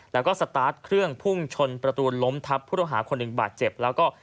แล้วก็สตาร์ทเครื่องพุ่งชนประตูล้มทับผู้ต้องหาคนหนึ่งบาดเจ็บแล้วก็